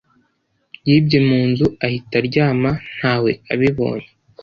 Yibye mu nzu ahita aryama ntawe abibonye.